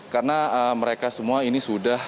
karena mereka semua ini sudah